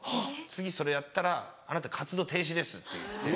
「次それやったらあなた活動停止です」って来て。